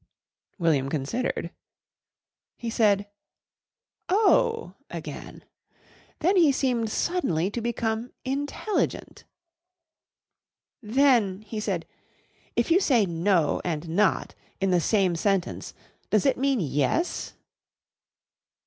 William considered. He said "Oh" again. Then he seemed suddenly to become intelligent. "Then," he said, "if you say 'no' and 'not' in the same sentence does it mean 'yes'?"